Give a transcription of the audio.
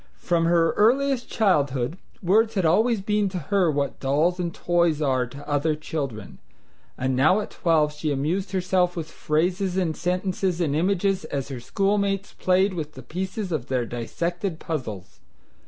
From her earliest childhood words had always been to her what dolls and toys are to other children, and now at twelve she amused herself with phrases and sentences and images as her schoolmates played with the pieces of their dissected puzzles.